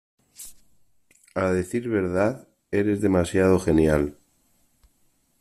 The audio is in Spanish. A decir verdad, eres demasiado genial.